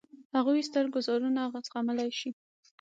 هغوی ستر ګوزارونه زغملای شي.